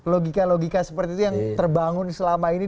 logika logika seperti itu yang terbangun selama ini